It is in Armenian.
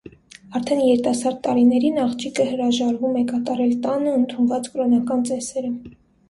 Արդեն երիտասարդ տարիներին աղջիկը հրաժարվում է կատարել տանը ընդունված կրոնական ծեսերը։